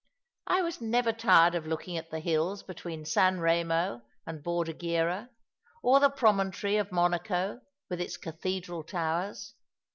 I was never tired of looking at the hills between San Remo and Bordighera, or the pro montory of Monaco, with its cathedral towers.